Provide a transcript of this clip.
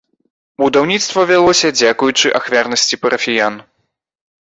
Будаўніцтва вялося дзякуючы ахвярнасці парафіян.